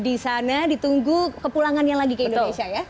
di sana ditunggu kepulangannya lagi ke indonesia ya